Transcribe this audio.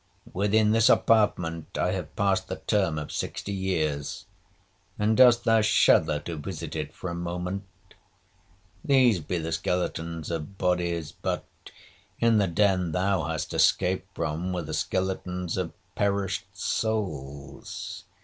Within this apartment I have passed the term of sixty years, and dost thou shudder to visit it for a moment? These be the skeletons of bodies, but in the den thou hast escaped from were the skeletons of perished souls.